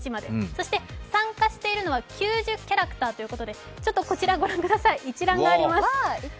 そして参加しているのは９０キャラクターということで、ちょっとこちらご覧ください一蘭があります。